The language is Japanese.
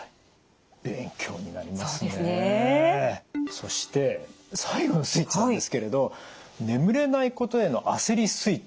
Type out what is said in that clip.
そして最後のスイッチなんですけれど眠れないことへの焦りスイッチ